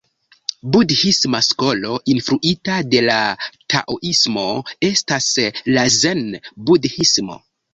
Budhisma skolo influita de la taoismo estas la zen-budhismo.